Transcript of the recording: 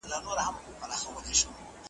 زده کړه د ژوند تر پایه ده.